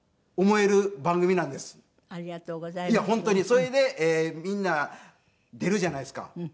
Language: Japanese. それでみんな出るじゃないですか。